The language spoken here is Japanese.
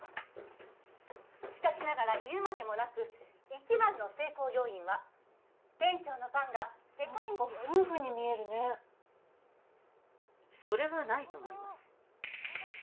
しかしながら言うまでもなく一番の成功要因は店長のパンが何か夫婦に見えるねそれはないと思います